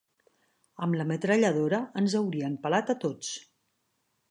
Amb la metralladora ens haurien pelat a tots.